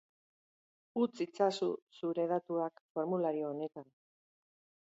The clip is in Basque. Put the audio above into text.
Utz itzazu zure datuak formulario honetan.